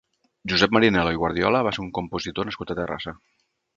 Josep Marinel·lo i Guardiola va ser un compositor nascut a Terrassa.